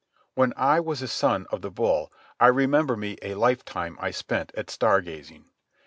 When I was a Son of the Bull, I remember me a lifetime I spent at star gazing.